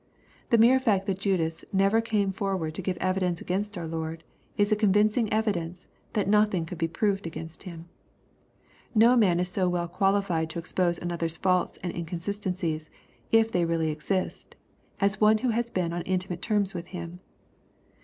The mere fact that Judas never came forward to give evidence against our Lord, is a convincing evidence that nothing could be proved against Him. No man is so well qualified to expose another's faults and inconsistencies, if they really exist, as one who has been on intimate terms with him.